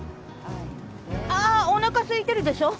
ああおなかすいてるでしょ？